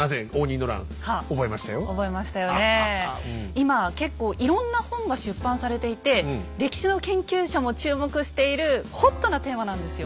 今結構いろんな本が出版されていて歴史の研究者も注目しているホットなテーマなんですよ